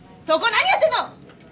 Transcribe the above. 何やってんの！